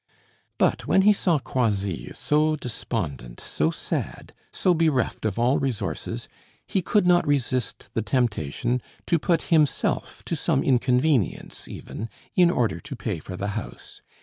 But when he saw Croisilles so despondent, so sad, so bereft of all resources, he could not resist the temptation to put himself to some inconvenience, even, in order to pay for the house.